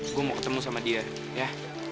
gue mau ketemu sama dia ya